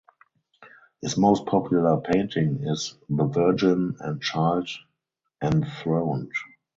His most popular painting is "The Virgin and Child Enthroned".